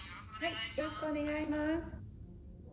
よろしくお願いします。